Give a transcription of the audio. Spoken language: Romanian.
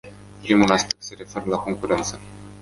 Primul aspect se referă la concurență.